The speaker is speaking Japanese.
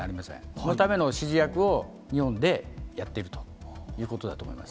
そのための指示役を日本でやっているということだと思います。